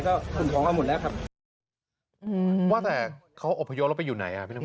ก็ขนของเอาหมดแล้วครับอืมว่าแต่เขาอบพยพแล้วไปอยู่ไหนอ่ะพี่น้ำ